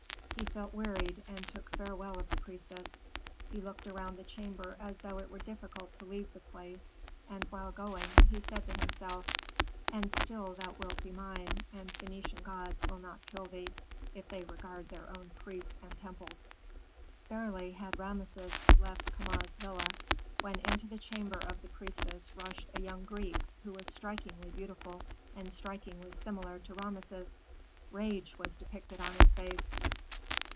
He felt wearied, and took farewell of the priestess. He looked around the chamber as though it were difficult to leave the place; and while going, he said to himself, "And still thou wilt be mine, and Phœnician gods will not kill thee, if they regard their own priests and temples." Barely had Rameses left Kama's villa, when into the chamber of the priestess rushed a young Greek who was strikingly beautiful, and strikingly similar to Rameses. Rage was depicted on his face.